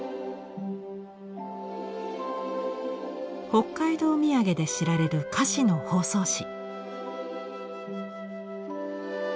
北海道土産で知られる菓子の包装紙。